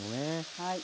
はい。